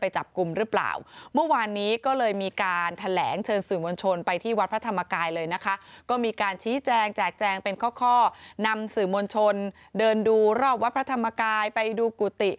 แจกแจงเป็นข้อนำสื่อมนชนเดินดูรอบวัดพระธรรมกายไปดูกุฏิ